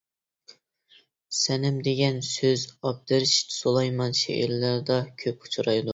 «سەنەم» دېگەن سۆز ئابدۇرېشىت سۇلايمان شېئىرلىرىدا كۆپ ئۇچرايدۇ.